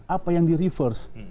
apa yang di reverse